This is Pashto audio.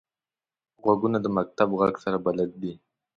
غوږونه د مکتب غږ سره بلد دي